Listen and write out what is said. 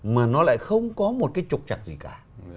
mà nó lại không có một cái trục chặt gì cả